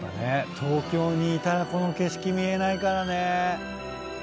東京にいたらこの景色見えないからね。